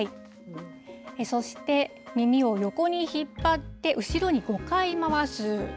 そして、耳を横に引っ張って、後ろに５回回す。